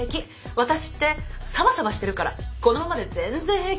ワタシってサバサバしてるからこのままで全然平気。